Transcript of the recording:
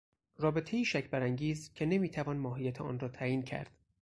رابطهای شک برانگیز که نمیتوان ماهیت آن را تعیین کرد